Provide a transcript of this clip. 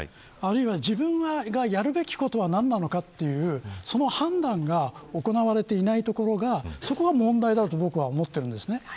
自分がやるべきことは何なのかというその判断が行われていないところがそこが問題だと僕は思っているんです。